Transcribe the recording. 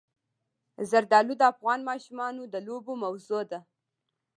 زردالو د افغان ماشومانو د لوبو موضوع ده.